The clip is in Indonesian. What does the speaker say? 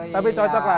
tapi cocok lah